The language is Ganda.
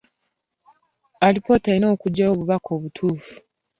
Alipoota erina okuggyayo obubaka obutuufu.